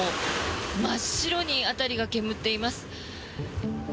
真っ白に辺りが煙っています。